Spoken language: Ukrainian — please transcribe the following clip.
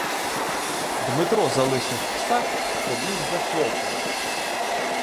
Дмитро залишив пса, побіг за хлопом.